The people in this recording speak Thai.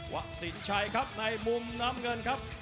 สินชัยครับในมุมน้ำเงินครับ